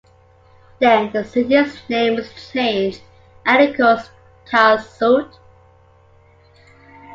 Then the city’s name is changed and it calls Tazoult.